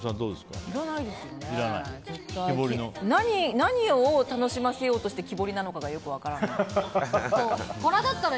何を楽しませようとして木彫りなのかがよく分からない。